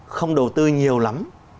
không đầu tư nhiều lắm